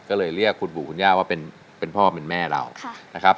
ก็เลยเรียกคุณปู่คุณย่าว่าเป็นพ่อเป็นแม่เรานะครับ